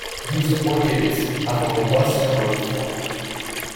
These orchids have a robust growth form.